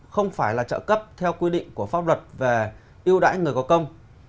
không phải là trợ cấp theo quy định của pháp luật về ưu đãi người có công